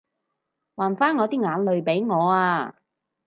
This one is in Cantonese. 還返我啲眼淚畀我啊